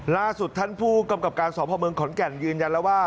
ล่าสุดท่านผู้กำกับการสพเมืองขอนแก่นยืนยันแล้วว่า